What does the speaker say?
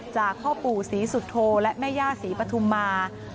จากพ่อปู่ศรีสุโธและแม่ย่าศรีปฐุมมา